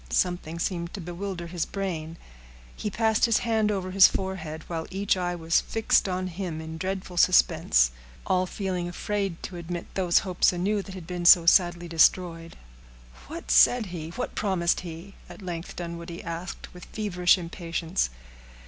Something seemed to bewilder his brain. He passed his hand over his forehead, while each eye was fixed on him in dreadful suspense—all feeling afraid to admit those hopes anew that had been so sadly destroyed. "What said he? What promised he?" at length Dunwoodie asked, with feverish impatience.